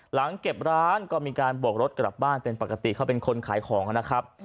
หลังเก็บร้านก็มีการบวกรถกลับบ้านเป็นปกติเขาเป็นคนขายของนะครับ